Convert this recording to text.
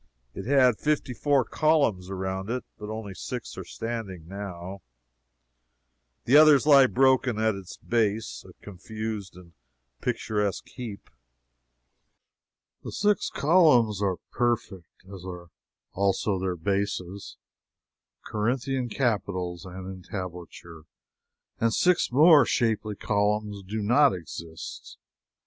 It had fifty four columns around it, but only six are standing now the others lie broken at its base, a confused and picturesque heap. The six columns are their bases, Corinthian capitals and entablature and six more shapely columns do not exist.